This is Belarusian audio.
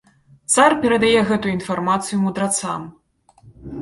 Цар перадае гэту інфармацыю мудрацам.